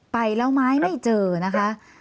ไปแล้วไม้ไม่เจอนะคะ